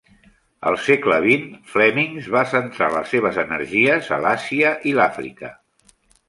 Al segle XX, Flemings va centrar les seves energies a l'Àsia i l'Àfrica.